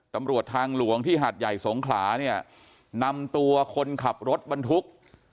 ตำรวจทางหลวงที่หาดใหญ่สงขลาเนี่ยนำตัวคนขับรถบรรทุก